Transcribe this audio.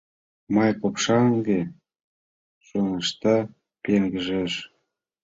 Май копшаҥге чоҥешта — пеҥыжеш.